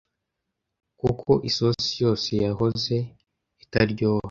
kuko isosi yose yahoze itaryoha